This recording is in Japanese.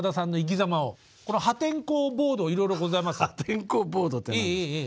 破天荒ボードって何ですか？